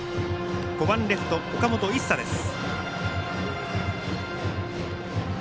５番レフト、岡本一颯です。